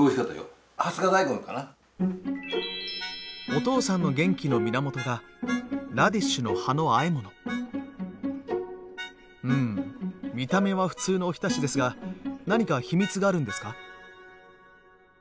お父さんの元気の源がうん見た目は普通のおひたしですが何か秘密があるんですか？